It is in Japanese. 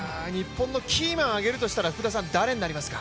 日本のキーマンを挙げるとしたら誰になりますか？